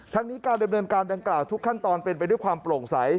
ทั้งนี้การดำเนินการดังกล่าวทุกขั้นตอนเป็นไปด้วยความโปร่งใส